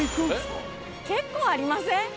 結構ありません？